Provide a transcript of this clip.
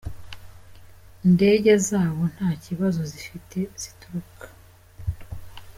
ndege zabo nta bibazo zifite zituruka